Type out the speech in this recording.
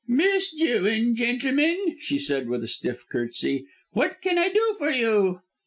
"Miss Jewin, gentlemen," she said with a stiff curtsey; "What can I do for you?"